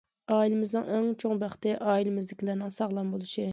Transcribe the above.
ئائىلىمىزنىڭ ئەڭ چوڭ بەختى ئائىلىمىزدىكىلەرنىڭ ساغلام بولۇشى.